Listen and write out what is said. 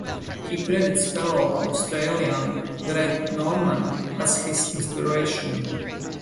He credits fellow Australian Greg Norman as his inspiration.